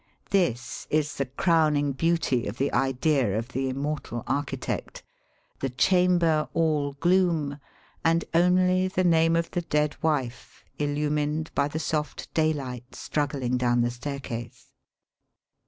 This is the crowning beauty of the idea of the immortal architect — the chamber all gloom, and only the name of the dead wife illumined by the soft daylight struggling down the staircase.